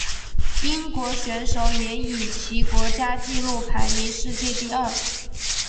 英国选手也以其国家纪录排名世界第二。